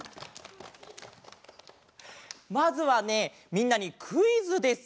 まずはねみんなにクイズです。